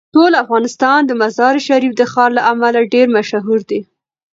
ټول افغانستان د مزارشریف د ښار له امله ډیر مشهور دی.